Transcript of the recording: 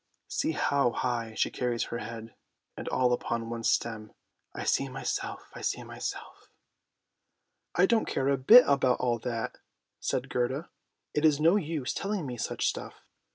See how high she carries her head, and all upon one stem. I see myself, I see myself! "" I don't care a bit about all that," said Gerda; " it's no use telling me such stuff."